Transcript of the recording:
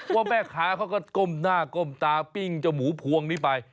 ว่าแม่ค้าเขาก็ก้มหน้าก้มตาปิ้งเจ้าหมูพวงนี้ไป